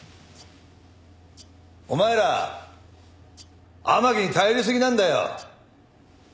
お前ら天樹に頼りすぎなんだよ。